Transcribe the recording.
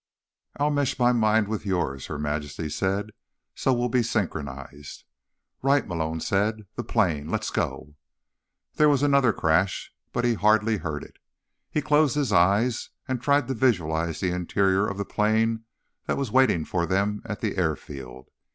"I'll mesh my mind with yours," Her Majesty said, "so we'll be synchronized." "Right," Malone said. "The plane. Let's go." There was another crash, but he hardly heard it. He closed his eyes and tried to visualize the interior of the plane that was waiting for them at the airfield.